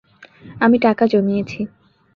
আমি টাকা জমিয়েছি।